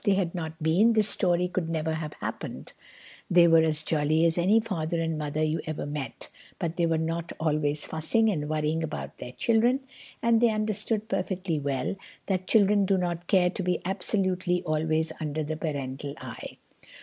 If they had not been, this story could never have happened. They were as jolly as any father and mother you ever met, but they were not always fussing and worrying about their children, and they understood perfectly well that children do not care to be absolutely always under the parental eye.